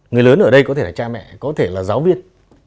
người lớn ở đây có thể là cha mẹ có thể là giáo viên